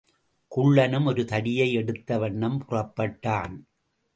குள்ளனும் ஒரு தடியை எடுத்தவண்ணம் புறப்பட்டான்.